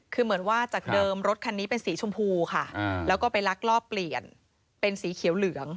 คือเหมือนว่าจากเดิมรถคันนี้เป็นสีชมพูค่ะแล้วก็ไปลักลอบเปลี่ยนเป็นสีเขียวเหลือง